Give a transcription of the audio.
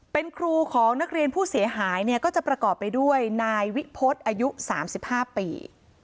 เป็นครูของนักเรียนผู้เสียหายเนี่ยก็จะประกอบไปด้วยนายวิพฤษอายุ๓๕ปี